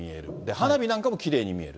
花火なんかもきれいに見える。